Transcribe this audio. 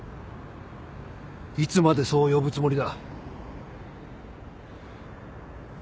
いつまでそう呼ぶつもりだ。